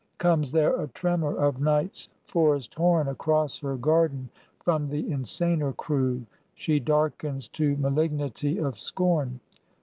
Comes there a tremor of night's forest horn Across her garden from the insaner crew, She darkens to malignity of scorn.